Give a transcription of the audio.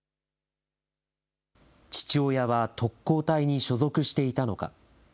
父親は特攻隊に所属していたのか。